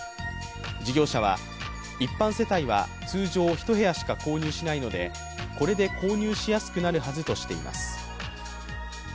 事業者は、一般世帯は通常、一部屋しか購入しないのでこれで購入しやすくなるはずとしています。